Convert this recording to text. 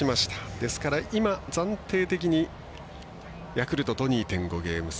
ですから今、暫定的にヤクルトと２．５ゲーム差。